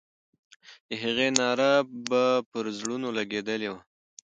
د هغې ناره به پر زړونو لګېدلې وه.